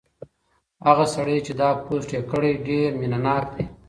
هغه سړی چې دا پوسټ یې کړی ډېر مینه ناک دی.